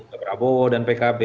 ketika berkunjung ke prabowo dan pkb